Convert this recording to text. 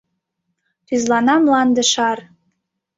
Тӱзлана мланде шар!